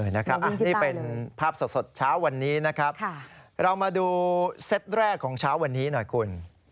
นี่เป็นภาพสดเช้าวันนี้นะครับเรามาดูเซตแรกของเช้าวันนี้หน่อยคุณ